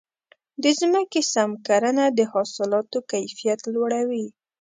د ځمکې سم کرنه د حاصلاتو کیفیت لوړوي.